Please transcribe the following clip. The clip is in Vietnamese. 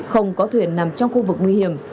không có thuyền nằm trong khu vực nguy hiểm